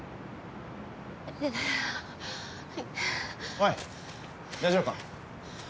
おい、大丈夫か？